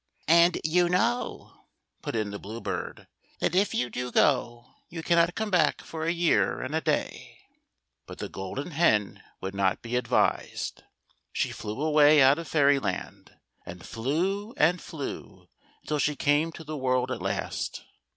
" And you know," put in the Blue Bird, " that if you <^o go, you cannot come back for a year and a day." But the Golden Hen would not be advised. She flew awa}' out of Fairyland, and fleW and flew until she came to the world at last.